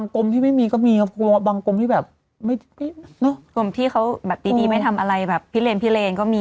กรมที่เขาแบบดีไม่ทำอะไรแบบพิเลนก็มีอยู่ใช่มั้ยค่ะ